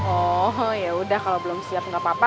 oh yaudah kalau belum siap nggak apa apa